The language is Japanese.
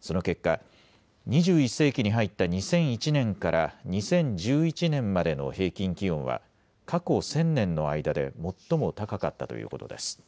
その結果、２１世紀に入った２００１年から２０１１年までの平均気温は過去１０００年の間で最も高かったということです。